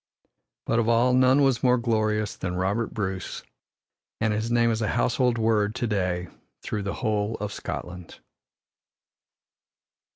But of all none was more glorious than Robert Bruce, and his name is a household word to day through the whole of Scotland.